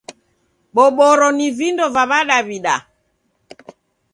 Boboro ni vindo va w'adaw'ida.